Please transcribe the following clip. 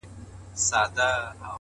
ماته خوښي راكوي!!